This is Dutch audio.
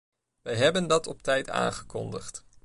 Wij hebben dat op tijd aangekondigd.